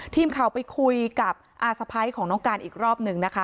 ทีมข่าวไปคุยกับอาสะพ้ายของน้องการอีกรอบหนึ่งนะคะ